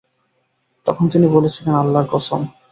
তখন তিনি বলছিলেন, আল্লাহর কসম!